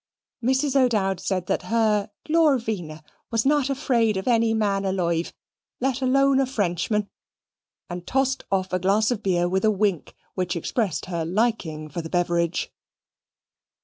Mrs. O'Dowd said that her "Glorvina was not afraid of any man alive, let alone a Frenchman," and tossed off a glass of beer with a wink which expressed her liking for the beverage.